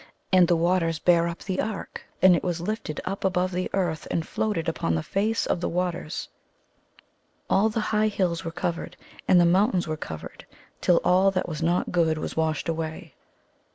And the waters bare up the ark and it was Hfted up above the earth and floated upon the face of the waters. All the high hills were covered and the mountains were covered till all that was not good was washed away.